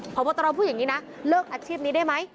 พบตรพูดอย่างนี้นะเลิกอาชีพนี้ได้ไหม